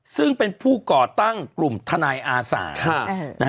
ซึ่งเป็นผู้ก่อตั้งกลุ่มทนายอาสา